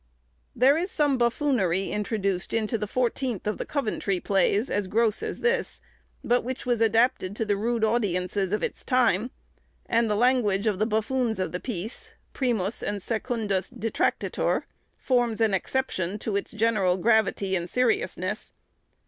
There is some buffoonery introduced into the fourteenth of the Coventry plays, as gross as this, but which was adapted to the rude audiences of its time; and the language of the buffoons of the piece, Primus and Secundus Detractator, forms an exception to its general gravity and seriousness.